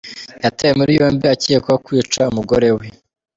Yatawe muri yombi akekwaho kwica umugore we